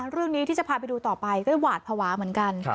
เรื่องนี้ที่จะพาไปดูต่อไปก็หวาดภาวะเหมือนกัน